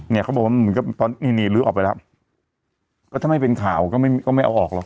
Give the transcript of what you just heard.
เขาบอกว่าเหมือนกับตอนนี้นี่ลื้อออกไปแล้วก็ถ้าไม่เป็นข่าวก็ไม่ก็ไม่เอาออกหรอก